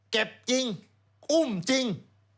เก็บจริงอุ้มจริง